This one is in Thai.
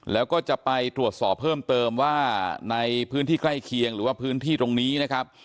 แล้วก็จะไปตรวจสอบเพิ่มเติมว่าในพื้นที่ใกล้เคียงหรือว่าพื้นที่ตรงนี้นะครับ